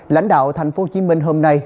lãnh đạo thành phố hồ chí minh hôm nay